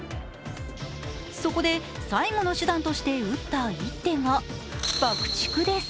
そこで最後の手段として打った一手が爆竹です。